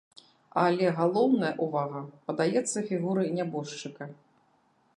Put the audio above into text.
Але галоўная ўвага падаецца фігуры нябожчыка.